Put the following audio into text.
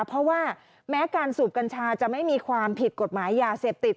เพราะว่าแม้การสูบกัญชาจะไม่มีความผิดกฎหมายยาเสพติด